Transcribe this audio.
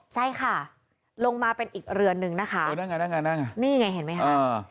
ใช่ค่ะลงมาเป็นอีกเรือนหนึ่งนะคะโอ้นั่งไงนั่งไงนั่งไงนี่ไงเห็นไหมค่ะอ่า